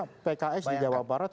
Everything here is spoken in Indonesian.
karena pks di jawa barat